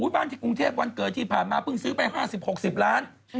บ้านที่กรุงเทพวันเกิดที่ผ่านมาเพิ่งซื้อไป๕๐๖๐ล้าน